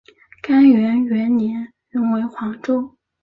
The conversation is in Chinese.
干元元年仍为黄州。